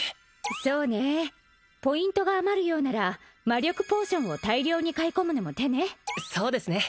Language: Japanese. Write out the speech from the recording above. そうねえポイントが余るようなら魔力ポーションを大量に買い込むのも手ねそうですね